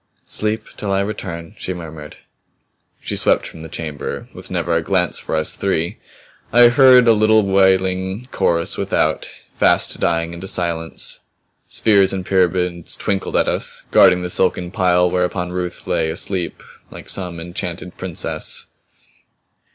"Sleep till I return," she murmured. She swept from the chamber with never a glance for us three. I heard a little wailing chorus without, fast dying into silence. Spheres and pyramids twinkled at us, guarding the silken pile whereon Ruth lay asleep like some enchanted princess.